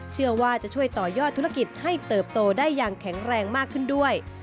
เชื่อว่าจะช่วยต่อยอดธุรกิจให้เติบโตได้อย่างแข็งแรงมากขึ้นด้วย